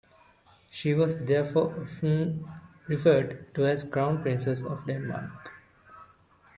She was therefore often referred to as Crown Princess of Denmark.